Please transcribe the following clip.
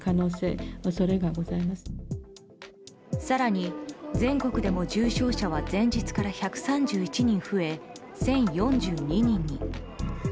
更に全国でも重症者は前日から１３１人増え１０４２人に。